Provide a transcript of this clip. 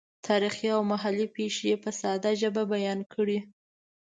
تاریخي او محلي پېښې یې په ساده ژبه بیان کړې.